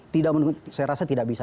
jadi saya rasa tidak bisa